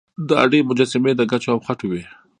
د هډې مجسمې د ګچو او خټو وې